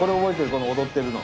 この踊ってるの。